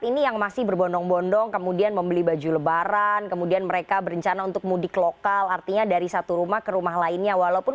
ini yang perlu ditekankan pada masyarakat